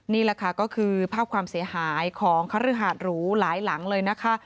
นี่แหละค่ะก็คือภาพความเสียหายของคฤหาดหรูหลายหลังเลยนะคะ